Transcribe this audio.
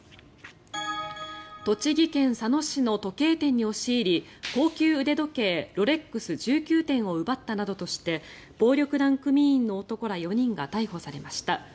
栃木県佐野市の時計店に押し入り高級腕時計ロレックス１９点を奪ったなどとして暴力団組員の男ら４人が逮捕されました。